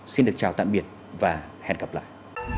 xin được chào tạm biệt và hẹn gặp lại